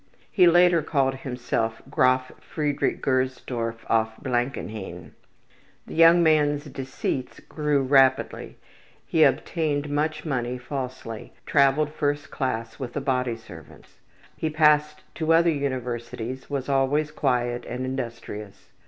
He later called himself Graf Friedrich Gersdorf auf Blankenhain. The young man's deceits grew rapidly, he obtained much money falsely, traveled first class with a body servant. He passed to other universities, was always quiet and industrious.